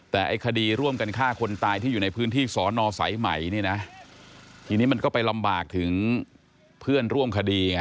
แต่ไอ้คดีร่วมกันฆ่าคนตายที่อยู่ในพื้นที่สอนอสายใหม่นี่นะทีนี้มันก็ไปลำบากถึงเพื่อนร่วมคดีไง